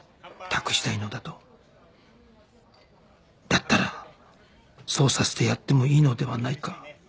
だったらそうさせてやってもいいのではないか